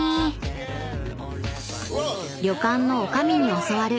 ［旅館の女将に教わる］